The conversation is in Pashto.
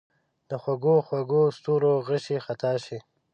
د خوږو، خوږو ستورو غشي خطا شي